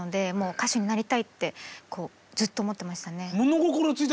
歌手になるってずっと思ってました。